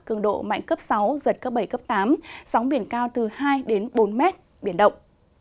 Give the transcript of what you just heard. cường độ mạnh cấp sáu giật cấp bảy cấp tám sóng biển cao từ hai đến bốn mét biển động